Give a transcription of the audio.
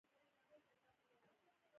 سارا ته مې سترګې ور واړولې.